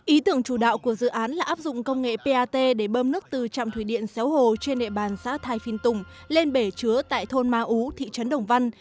ý tưởng chủ đạo của dự án là áp dụng công nghệ pat để bơm nước từ trạm thủy điện xéo hồ trên địa bàn xã thải phìn tùng lên bể chứa tại thôn ma ú thị trấn đồng văn